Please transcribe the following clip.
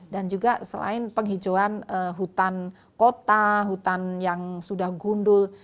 dan juga selain penghijauan hutan kota hutan yang sudah gundul